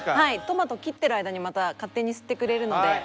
トマト切ってる間にまた勝手に吸ってくれるので。